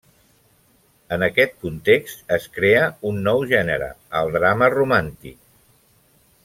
En aquest context es crea un nou gènere, el drama romàntic.